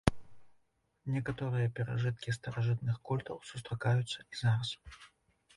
Некаторыя перажыткі старажытных культаў сустракаюцца і зараз.